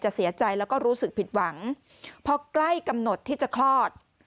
เสียใจแล้วก็รู้สึกผิดหวังพอใกล้กำหนดที่จะคลอด